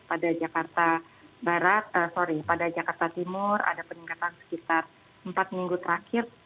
pada jakarta timur ada peningkatan sekitar empat minggu terakhir